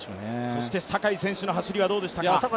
そして坂井選手の走りはどうでしたか？